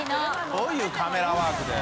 どういうカメラワークだよ。